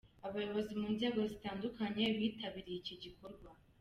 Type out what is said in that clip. Abayobozi mu nzego zitandukanye bitabiriye iki gikorwa.